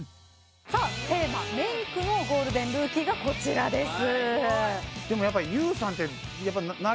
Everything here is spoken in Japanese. さあテーマ「メイク」のゴールデンルーキーがこちらです。